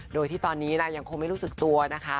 โดยที่ตอนนี้ยังคงไม่รู้สึกตัวนะคะ